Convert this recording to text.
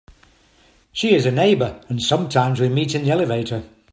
She is a neighbour, and sometimes we meet in the elevator.